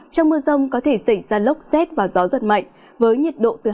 trong mưa rông có thể xảy ra lốc xét và gió rất mạnh với nhiệt độ từ hai mươi sáu ba mươi sáu độ